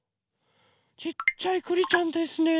ちっちゃいくりちゃんですね。